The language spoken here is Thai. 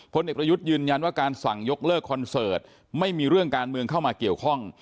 เด็กประยุทธ์ยืนยันว่าการสั่งยกเลิกคอนเสิร์ตไม่มีเรื่องการเมืองเข้ามาเกี่ยวข้อง